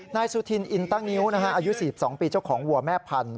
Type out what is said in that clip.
นายสุธินอินตั้งงิ้วอายุ๔๒ปีเจ้าของวัวแม่พันธุ